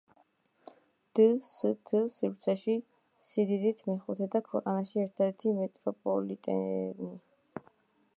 დსთ სივრცეში სიდიდით მეხუთე და ქვეყანაში ერთადერთი მეტროპოლიტენი.